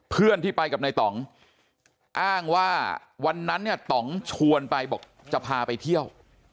เพื่อนที่ไปกับในต่องอ้างว่าวันนั้นเนี่ยต่องชวนไปบอกจะพาไปเที่ยว